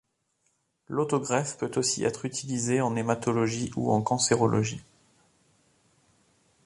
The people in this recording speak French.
L'autogreffe peut aussi être utilisée en hématologie ou en cancérologie.